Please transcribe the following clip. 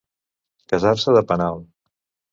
Casar-se de penal.